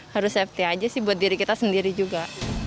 harus safety aja sih buat diri kita sendiri juga